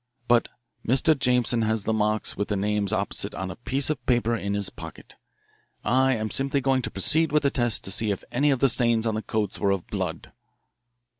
But Mr. Jameson has the marks with the names opposite on a piece of paper in his pocket. I am simply going to proceed with the tests to see if any of the stains on the coats were of blood."